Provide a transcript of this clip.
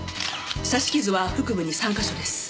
刺し傷は腹部に３か所です。